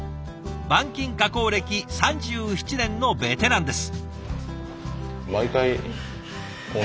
板金加工歴３７年のベテランです。